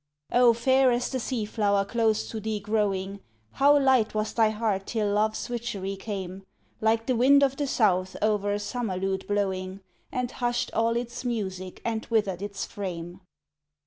O, fair as the sea flower close to thee growing, How light was thy heart till love's witchery came, Like the wind of the south o'er a summer lute blowing, And hushed all its music and withered its frame!